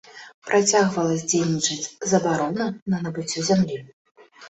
Працягвала дзейнічаць забарона на набыццё зямлі.